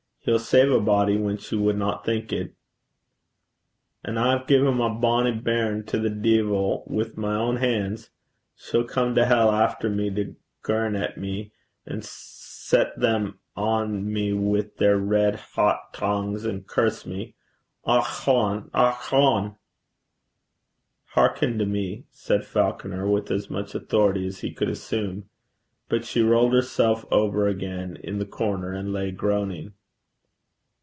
He'll save a body whan she wadna think it.' 'An' I hae gien my bonnie bairn to the deevil wi' my ain han's! She'll come to hell efter me to girn at me, an' set them on me wi' their reid het taings, and curse me. Och hone! och hone!' 'Hearken to me,' said Falconer, with as much authority as he could assume. But she rolled herself over again in the corner, and lay groaning.